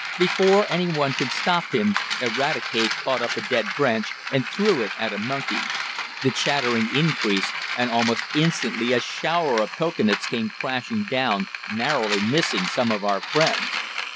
Before anyone could stop him, Eradicate caught up a dead branch, and threw it at a monkey. The chattering increased, and almost instantly a shower of cocoanuts came crashing down, narrowly missing some of our friends.